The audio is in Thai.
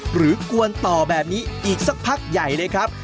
กวนต่อแบบนี้อีกสักพักใหญ่เลยครับ